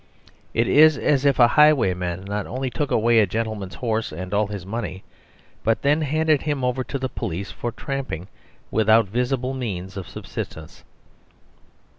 It is as if a highwayman not only took away a gentleman's horse and all his money, but then handed him over to the police for tramping without visible means of subsistence.